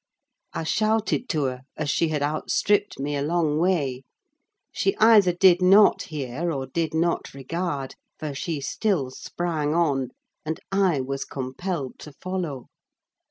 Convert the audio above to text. I shouted to her, as she had outstripped me a long way; she either did not hear or did not regard, for she still sprang on, and I was compelled to follow.